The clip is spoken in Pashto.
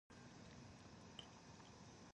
جمال خان چې له نايلې سره يې ډېره مينه درلوده